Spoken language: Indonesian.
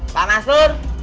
pak mas dur